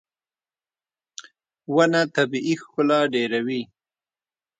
• ونه طبیعي ښکلا ډېروي.